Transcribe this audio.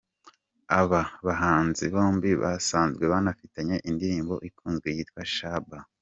Aba bahanzi bombi basanzwe banafitanye indirimbo ikunzwe yitwa ‘Shabba’.